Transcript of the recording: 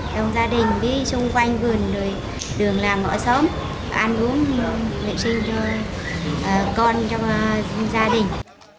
đồng gia đình đi xung quanh vườn đường làng ngõ xóm ăn uống vệ sinh cho con cho gia đình